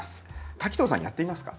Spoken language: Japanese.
滝藤さんやってみますか？